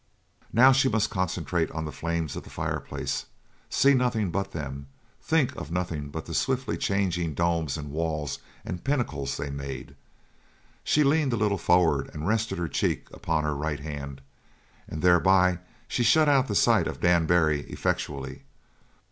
Now she must concentrate on the flames of the fireplace, see nothing but them, think of nothing but the swiftly changing domes and walls and pinnacles they made. She leaned a little forward and rested her cheek upon her right hand and thereby she shut out the sight of Dan Barry effectually.